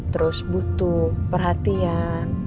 terus butuh perhatian